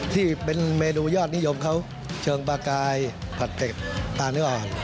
ที่เป็นเมนูยอดนิยมเขาเชิงปลาไกรผัดเต็ดปลาเนื้ออ่อน